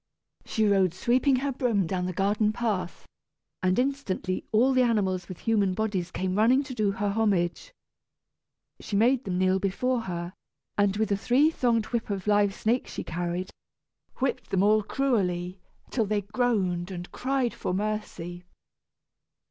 She rode sweeping her broom down the garden path, and instantly all the animals with human bodies came running to do her homage. She made them kneel before her, and, with the three thonged whip of live snakes she carried, whipped them all cruelly, till they groaned and cried for mercy.